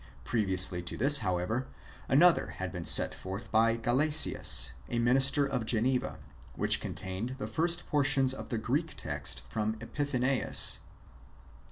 Previously to this, how ever, another had been set forth by Gallasius, a minister of Geneva, which contained the first portions of the Greek text from Epiphanius.